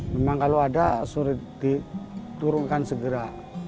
memang kalau ada sulit diturunkan segera